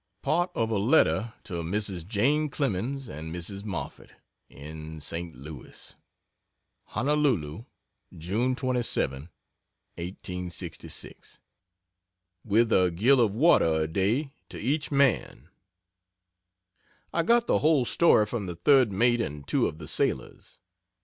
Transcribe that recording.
Part of a letter to Mrs. Jane Clemens and Mrs. Moffett, in St. Louis: HONOLULU, June 27, 1866 ... with a gill of water a day to each man. I got the whole story from the third mate and two of the sailors.